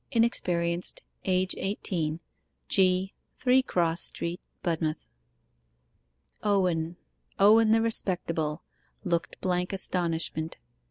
Inexperienced. Age eighteen. G., 3 Cross Street, Budmouth.' Owen Owen the respectable looked blank astonishment.